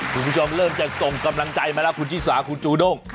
คุณผู้ชมเริ่มจะส่งกำลังใจมาแล้วคุณชิสาคุณจูด้ง